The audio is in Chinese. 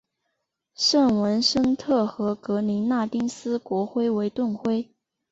圣文森特和格林纳丁斯国徽为盾徽。